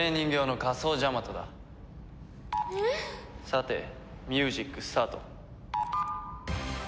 さてミュージックスタート。